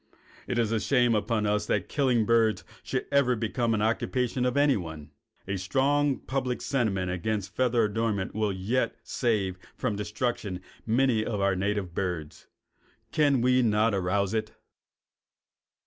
It is a shame upon us that killing birds should ever have become an occupation of anyone. A strong public sentiment against feather adornments will yet save from destruction many of our native birds. Can we not arouse it?